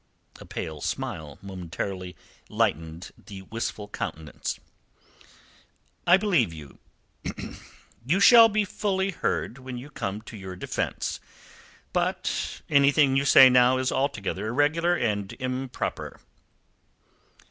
A pale smile momentarily lightened the wistful countenance. "I believe you. You shall be fully heard when you come to your defence. But anything you say now is altogether irregular and improper."